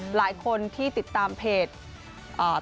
หลายคนที่ติดตามเพจอ่า